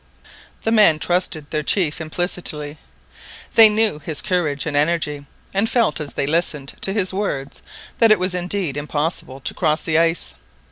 The men trusted their chief implicitly. They knew his courage and energy, and felt as they listened to his words that it was indeed impossible to cross the ice.